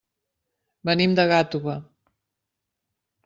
Venim de Gàtova.